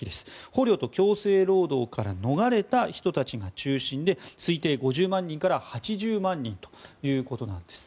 捕虜と強制労働から逃れた人たちが中心で推定５０万人から８０万人ということなんです。